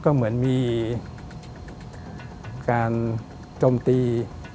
ก็เหมือนมีการจมตี